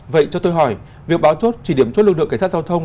vậy cho tôi hỏi việc báo chốt chỉ điểm chốt lưu lượng cảnh sát giao thông